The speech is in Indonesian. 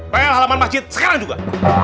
kayak halaman masjid sekarang juga